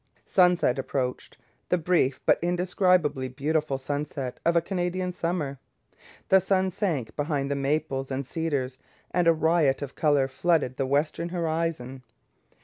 Sunset approached the brief but indescribably beautiful sunset of a Canadian summer. The sun sank behind the maples and cedars, and a riot of colour flooded the western horizon.